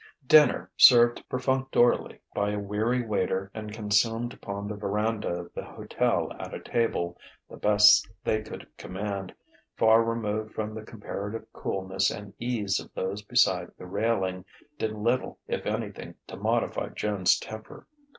Dinner, served perfunctorily by a weary waiter and consumed upon the verandah of the hotel at a table, the best they could command, far removed from the comparative coolness and ease of those beside the railing, did little if anything to modify Joan's temper.